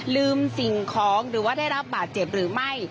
ลืมสิ่งของหรือว่าได้รับบาดเจ็บหรือไม่